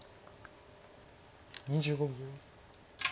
２５秒。